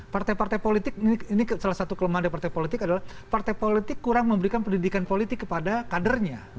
partai partai politik ini salah satu kelemahan dari partai politik adalah partai politik kurang memberikan pendidikan politik kepada kadernya